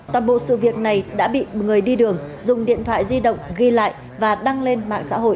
toàn bộ sự việc này đã bị người đi đường dùng điện thoại di động ghi lại và đăng lên mạng xã hội